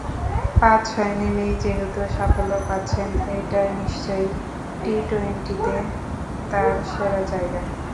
পাঁচ-ছয়ে নেমেই যেহেতু সাফল্য পাচ্ছেন, এটাই নিশ্চয়ই টি-টোয়েন্টিতে তার সেরা জায়গা।